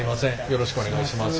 よろしくお願いします。